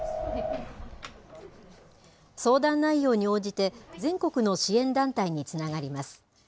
相談内容に応じて、全国の支援団体につながります。